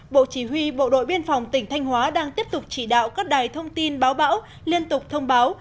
bộ chỉ huy bộ đội biên phòng tỉnh thanh hóa đang tiếp tục chỉ đạo các đài thông tin báo bão liên tục thông báo